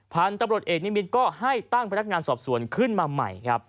พันธุ์ตำรวจเอกนิมิตรก็ให้ตั้งพนักงานสอบสวนขึ้นมาใหม่ครับ